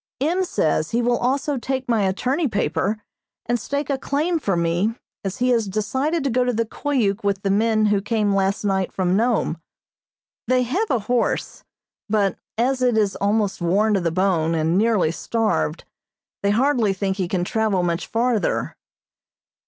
M. says he will also take my attorney paper and stake a claim for me, as he has decided to go to the Koyuk with the men who came last night from Nome. They have a horse, but as it is almost worn to the bone and nearly starved, they hardly think he can travel much farther.